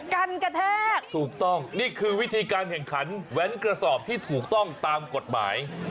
กันกระแทกถูกต้องนี่คือวิธีการแข่งขันแว้นกระสอบที่ถูกต้องตามกฎหมาย